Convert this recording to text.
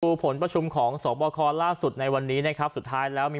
ผลประชุมของสอบคอล่าสุดในวันนี้นะครับสุดท้ายแล้วมี